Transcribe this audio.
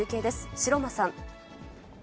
城間さん。